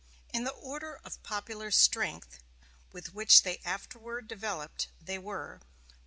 In the order of popular strength which they afterward developed, they were: 1.